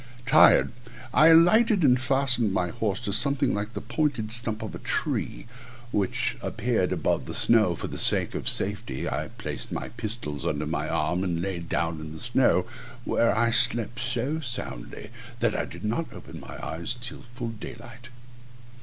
Tired, I alighted, and fastened my horse to something like a pointed stump of a tree, which appeared above the snow; for the sake of safety I placed my pistols under my arm, and laid down on the snow, where I slept so soundly that I did not open my eyes till full daylight.